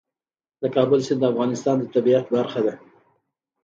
د کابل سیند د افغانستان د طبیعت برخه ده.